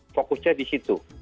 fokusnya di situ